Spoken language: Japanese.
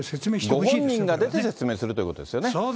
ご本人が出て説明するということですよね。